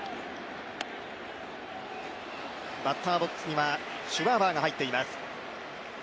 バッターボックスにはシュワーバーが入っています。